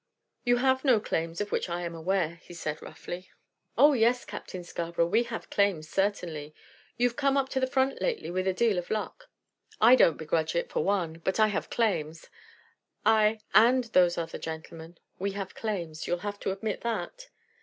"You have no claims of which I am aware," he said roughly. "Oh yes, Captain Scarborough; we have claims, certainly. You've come up to the front lately with a deal of luck; I don't begrudge it, for one; but I have claims, I and those other gentlemen; we have claims. You'll have to admit that."